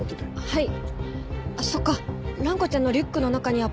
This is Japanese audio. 「はい」